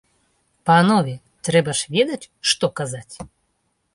Панове, трэба ж ведаць, што казаць!